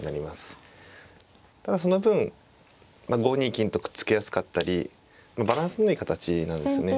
ただその分５二金とくっつけやすかったりバランスのいい形なんですよね。